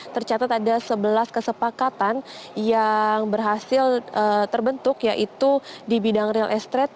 tercatat ada sebelas kesepakatan yang berhasil terbentuk yaitu di bidang real est trade